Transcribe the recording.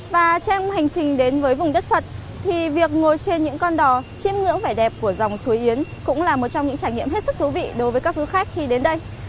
và trên hành trình đến với vùng đất phật thì việc ngồi trên những con đò chiêm ngưỡng vẻ đẹp của dòng suối yến cũng là một trong những trải nghiệm hết sức thú vị đối với các du khách khi đến đây